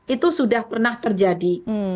itu sudah pernah terjadi